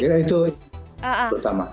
sekiranya itu pertama